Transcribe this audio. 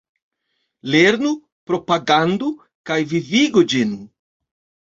Lernu, propagandu kaj vivigu ĝin!